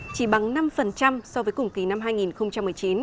chỉ bằng năm so với cùng kỳ năm hai nghìn một mươi chín